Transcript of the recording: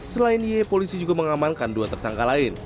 selain y polisi juga mengamankan dua tersangka lain